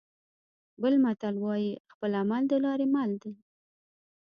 بل متل وايي: خپل عمل د لارې مل.